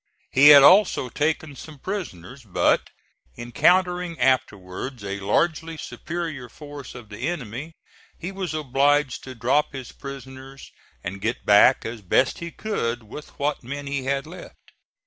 He had also taken some prisoners; but encountering afterwards a largely superior force of the enemy he was obliged to drop his prisoners and get back as best he could with what men he had left.